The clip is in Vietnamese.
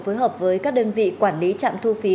phối hợp với các đơn vị quản lý trạm thu phí